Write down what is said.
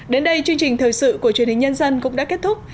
đến đây chương trình thời sự của truyền hình nhân dân cũng đã kết thúc